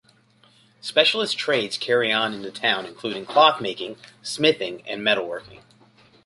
Specialist trades carried on in the town included cloth-making, smithying, and metalworking.